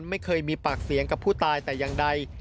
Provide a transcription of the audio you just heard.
ไม่เคยมีปากเสียงกับผู้ตายแต่อย่างใด